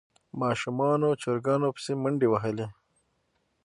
ماشومانو چرګانو پسې منډې وهلې.